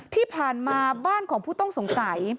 ที่ผ่านมาบ้านของผู้ต้องสงสัย